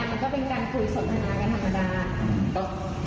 มันก็เป็นการคุยสภาพกันธรรมดาอ่ะ